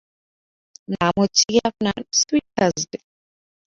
নাম হচ্ছে গিয়ে আপনার, সুইট থার্সডে।